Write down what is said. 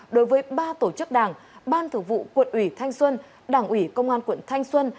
đối với ba tổ chức đảng ban thường vụ quận ủy thanh xuân đảng ủy công an quận thanh xuân